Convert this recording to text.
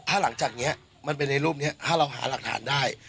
ถ้าหลังจากนี้มันเป็นในรูปนี้ถ้าเราหาหลักฐานได้